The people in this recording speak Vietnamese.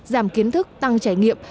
giảm kiến thức tăng trải nghiệm